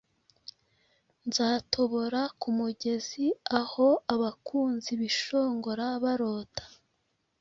Nzatobora kumugezi Aho abakunzi bishongora barota,